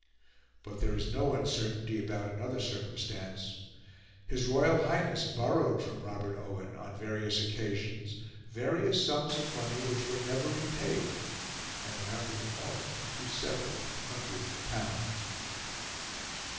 But there is no uncertainty about another circumstance: his Royal Highness borrowed from Robert Owen, on various occasions, various sums of money which were never repaid and amounted in all to several hundred pounds.